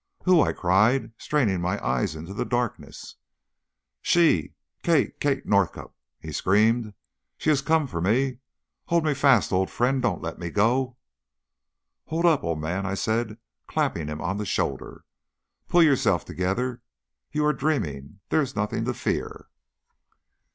"Who?" I cried, straining my eyes into the darkness. "She Kate Kate Northcott!" he screamed. "She has come for me. Hold me fast, old friend. Don't let me go!" "Hold up, old man," I said, clapping him on the shoulder. "Pull yourself together; you are dreaming; there is nothing to fear."